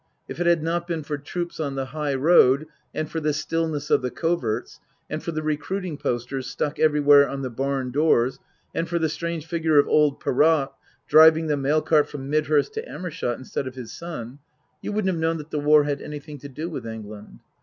If it had not been for troops on the high road, and for the stillness of the coverts, and for the recruiting posters stuck everywhere on the barn doors, and for the strange figure of old Perrott driving the mail cart from Midhurst to Amershott instead of his son, you wouldn't have known that the war had anything to do with England.